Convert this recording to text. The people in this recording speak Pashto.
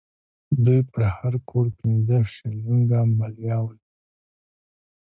دوی پر هر کور پنځه شلینګه مالیه وضع کوله.